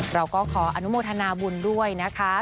เราก็ขออนุโมทนาบุญด้วยนะคะ